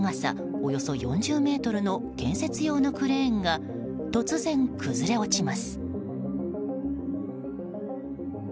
およそ４０ｍの建設用のクレーンが突然、崩れ落ちます。